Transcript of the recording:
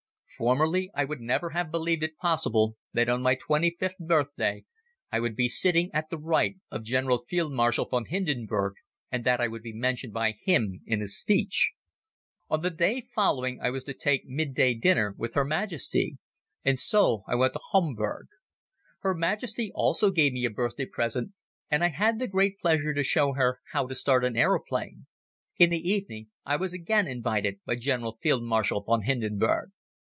Formerly I would never have believed it possible that on my twenty fifth birthday I would be sitting at the right of General Field Marshal von Hindenburg and that I would be mentioned by him in a speech. On the day following I was to take mid day dinner with Her Majesty. And so I went to Homburg. Her Majesty also gave me a birthday present and I had the great pleasure to show her how to start an aeroplane. In the evening I was again invited by General Field Marshal von Hindenburg.